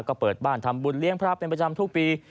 ก็เปิดบ้านทำบุญเลี้ยงพระเป็นประจำทุกปี